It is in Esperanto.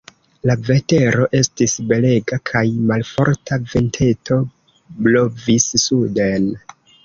La vetero estis belega kaj malforta venteto blovis suden.